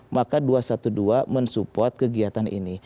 maka dua ratus dua belas mensupport kegiatan ini dan menjaga kegiatan ini